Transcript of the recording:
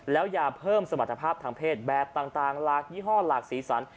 แล้วยาเพิ่มสมรรถภาพทางเพศแบบต่างหลากยี่ห้อหลากสีสัน